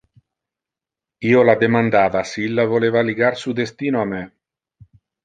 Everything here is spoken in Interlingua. Io la demandava si illa voleva ligar su destino a me.